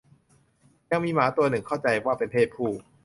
"ยังมีหมาหนึ่งตัว เข้าใจว่าเป็นเพศผู้"